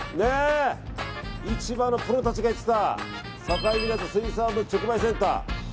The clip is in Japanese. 市場のプロたちが言ってた境港水産物直売センター。